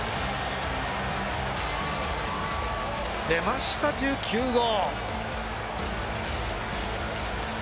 出ました１９号。